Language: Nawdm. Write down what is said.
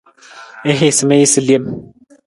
I hiisa mi jasa lem.